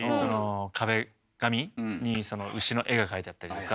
壁紙に牛の絵が描いてあったりとか。